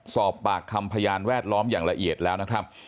สอบปากคำพยานแวดล้อมอย่างละเอียดแล้วนะครับ